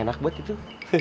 enak buat gitu